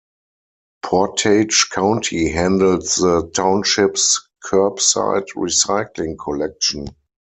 Portage County handles the townships's curbside recycling collection.